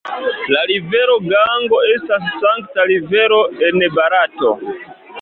La rivero Gango estas sankta rivero en Barato.